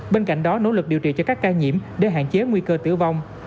bên cạnh đó nỗ lực điều trị cho các ca nhiễm để hạn chế nguy cơ tử vong